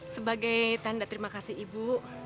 sebagai tanda terima kasih ibu